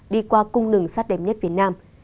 đi qua cung đường sát đẹp nhất việt nam